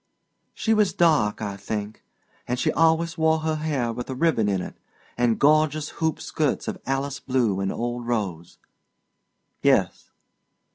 "She was dark, I think; and she always wore her hair with a ribbon in it, and gorgeous hoop skirts of Alice blue and old rose." "Yes."